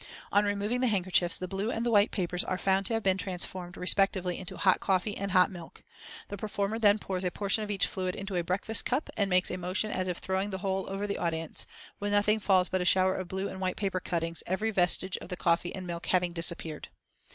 On removing the handkerchiefs the blue and the white papers are found to have been transformed respectively into hot coffee and hot milk. The performer then pours a portion of each fluid into a breakfast cup, and makes a motion as if throwing the whole over the audience, when nothing falls but a shower of blue and white paper cuttings, every vestige of the coffee and milk having disappeared.